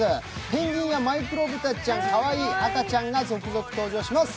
ペンギンやマイクロブタちゃん、かわいい赤ちゃんが続々登場します。